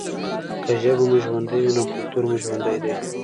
که ژبه مو ژوندۍ وي نو کلتور مو ژوندی دی.